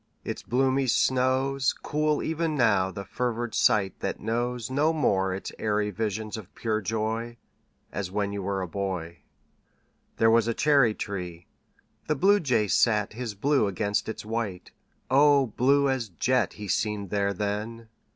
Its bloomy snows Cool even now the fevered sight that knows No more its airy visions of pure joy As when you were a boy. There was a cherry tree. The Bluejay sat His blue against its white O blue as jet He seemed there then!